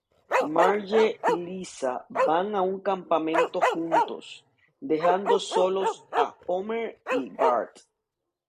Marge y Lisa van a un campamento juntos, dejando solos a Homer y Bart.